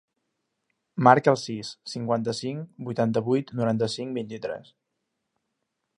Marca el sis, cinquanta-cinc, vuitanta-vuit, noranta-cinc, vint-i-tres.